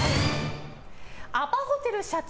アパホテル社長